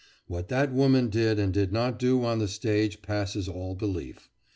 What that woman did and did not do on the stage passes all belief.